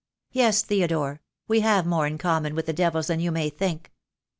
Yes, Theo dore, we have more in common with the devils than you may think."